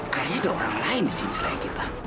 kayaknya ada orang lain di sini selain kita